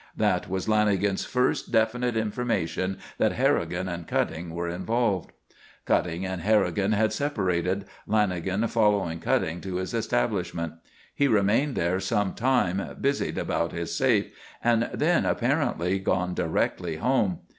That was Lanagan's first definite information that Harrigan and Cutting were involved. Cutting and Harrigan had separated, Lanagan following Cutting to his establishment. He remained there some time, busied about his safe, and had then apparently gone directly home.